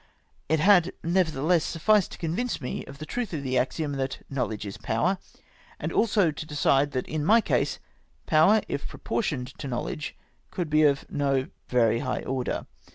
It had, nevertheless, sufficed to convince me of the truth of the axiom that " knowledge is power," and also to decide that in my case power if proportioned to knowledge could be of no very high order.